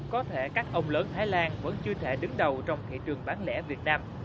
có thể các ông lớn thái lan vẫn chưa thể đứng đầu trong thị trường bán lẻ việt nam